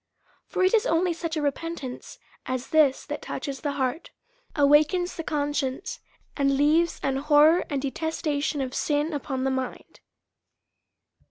For it is only such a repentance as this, that touches tlie heart, awakens the conscience, and leaves an horror and de testation of sin upon the mind.